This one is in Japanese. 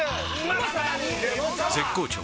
絶好調！！